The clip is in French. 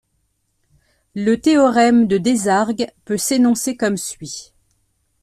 Le théorème de Desargues peut s'énoncer comme suit.